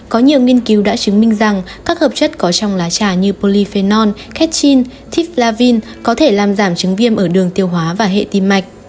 có nhiều nghiên cứu đã chứng minh rằng các hợp chất có trong lá trà như polyphenol ketchil tiplavin có thể làm giảm chứng viêm ở đường tiêu hóa và hệ tim mạch